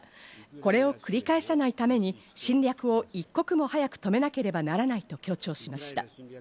これを繰り返さないために侵略を一刻も早く止めなければならないと強調しました。